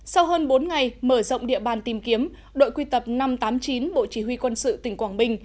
sau hơn bốn ngày mở rộng địa bàn tìm kiếm đội quy tập năm trăm tám mươi chín bộ chỉ huy quân sự tỉnh quảng bình